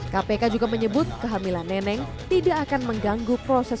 kpk juga menyebut kehamilan neneng tidak akan mengganggu proses